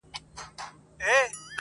چي نه یې ګټه نه زیان رسېږي,